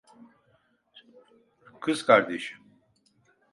Kız kardeşi.